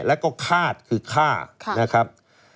แล้วก็คาดคือฆ่านะครับ